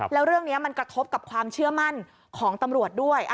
แล้วเรื่องนี้มันกระทบกับความเชื่อมั่นของตำรวจด้วย